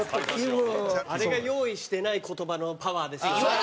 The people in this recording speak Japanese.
あれが、用意してない言葉のパワーですよね。